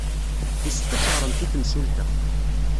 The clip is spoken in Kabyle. Yessefk ad teɣremt i temsulta.